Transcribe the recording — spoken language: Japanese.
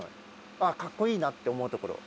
あー、かっこいいなって思うところ。